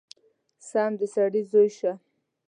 سم د سړي زوی شه!!!